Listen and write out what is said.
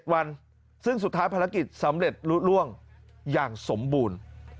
วันซึ่งสุดท้ายภารกิจสำเร็จลุดล่วงอย่างสมบูรณ์